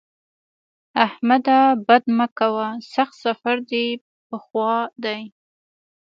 احمده! بد مه کوه؛ سخت سفر دې په خوا دی.